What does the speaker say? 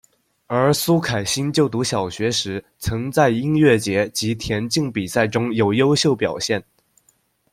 而苏铠焮就读小学时曾在音乐节及田径比赛有优秀表现。